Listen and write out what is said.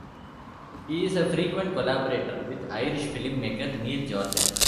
He is a frequent collaborator with Irish film-maker Neil Jordan.